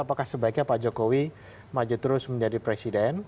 apakah sebaiknya pak jokowi maju terus menjadi presiden